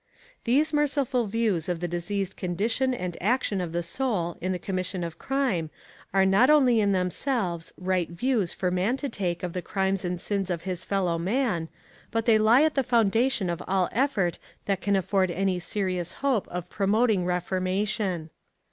These merciful views of the diseased condition and action of the soul in the commission of crime are not only in themselves right views for man to take of the crimes and sins of his fellow man, but they lie at the foundation of all effort that can afford any serious hope of promoting reformation.